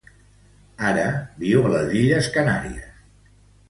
Ara, viu a les Illes Canàries.